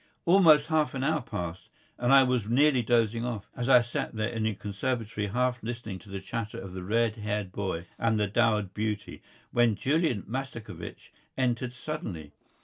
Almost half an hour passed, and I was nearly dozing off, as I sat there in the conservatory half listening to the chatter of the red haired boy and the dowered beauty, when Julian Mastakovich entered suddenly.